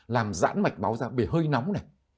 làm giãn mạch máu ra bị hơi nóng này